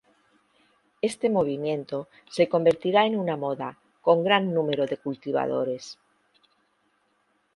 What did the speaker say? Este movimiento se convertirá en una moda, con gran número de cultivadores.